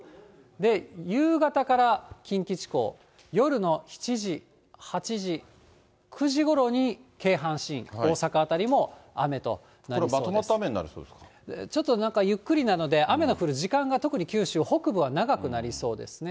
で、夕方から近畿地方、夜の７時、８時、９時ごろに京阪神、これ、まとまった雨になりそちょっとなんかゆっくりなので、雨の降る時間が、特に九州北部は長くなりそうですね。